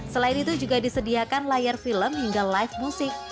selain itu juga disediakan layar film hingga live musik